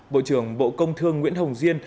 bộ trưởng bộ công thương nguyễn hồng diên